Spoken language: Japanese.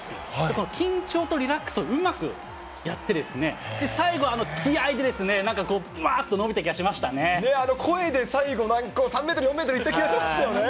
この緊張とリラックスをうまくやってですね、最後、気合いでなんかこう、あの声で最後、３メートル、４メートルいった気がしましたよね。